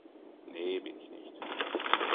Nee, bin ich nicht.